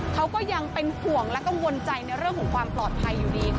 เขาก็ยังเป็นห่วงและกังวลใจในเรื่องของความปลอดภัยอยู่ดี